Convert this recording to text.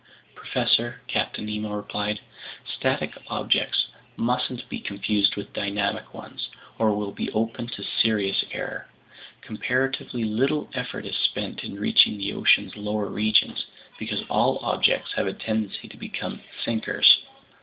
"Professor," Captain Nemo replied, "static objects mustn't be confused with dynamic ones, or we'll be open to serious error. Comparatively little effort is spent in reaching the ocean's lower regions, because all objects have a tendency to become 'sinkers.